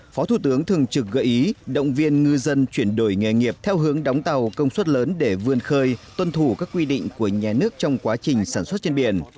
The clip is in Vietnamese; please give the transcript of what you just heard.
phó thủ tướng thường trực gợi ý động viên ngư dân chuyển đổi nghề nghiệp theo hướng đóng tàu công suất lớn để vươn khơi tuân thủ các quy định của nhà nước trong quá trình sản xuất trên biển